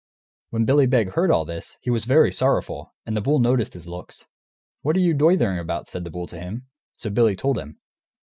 When Billy Beg heard all this, he was very sorrowful, and the bull noticed his looks. "What are you doitherin' about?" said the bull to him. So Billy told him.